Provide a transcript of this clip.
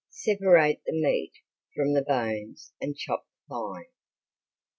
Separate the meat from the bones and chop fine.